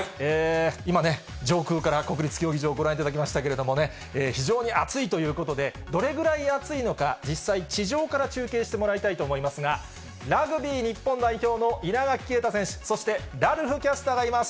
今ね、上空から国立競技場ご覧いただきましたけれどもね、非常に暑いということでどれぐらい暑いのか、実際、地上から中継してもらいたいと思いますが、ラグビー日本代表の稲垣啓太選手、そしてラルフキャスターがいます。